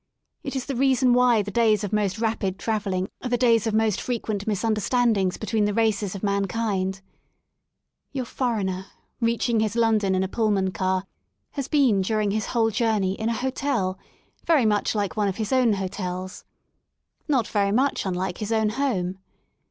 It is the reason why the days of most rapid travelling are the days of most frequent misunderstandings between the races of man kind. Your foreigner, reaching his London in a Pull man car, has been during his whole journey in an hotel, very much like one of his own hotels, not very 44 ROADS INTO LONDON much unlike his own home.